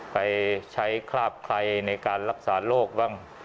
ไปใช้คราบใครในการรักษาโรคบ้าง